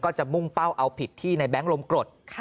จะมุ่งเป้าเอาผิดที่ในแง๊งลมกรด